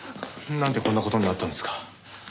なんでこんな事になったんすか？